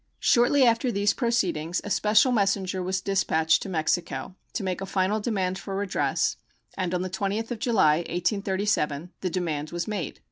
Shortly after these proceedings a special messenger was dispatched to Mexico to make a final demand for redress, and on the 20th of July, 1837, the demand was made.